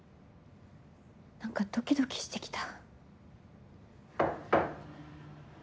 何かドキドキしてきた。